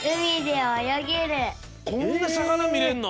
こんなさかなみれんの？